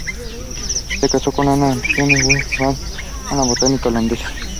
Se casó con Anna Antoinette Weber-van Bosse, una botánica holandesa.